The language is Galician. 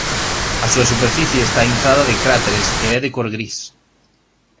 A súa superficie está inzada de cráteres e é de cor gris.